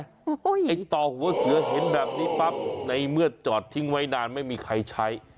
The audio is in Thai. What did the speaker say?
ไอ้ต่อหัวเสือเห็นแบบนี้ปั๊บในเมื่อจอดทิ้งไว้นานไม่มีใครใช้